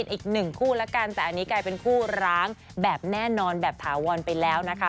อีกหนึ่งคู่แล้วกันแต่อันนี้กลายเป็นคู่ร้างแบบแน่นอนแบบถาวรไปแล้วนะคะ